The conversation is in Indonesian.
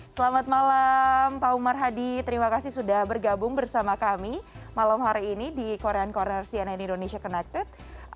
selamat malam pak umar hadi terima kasih sudah bergabung bersama kami malam hari ini di korean corner cnn indonesia connected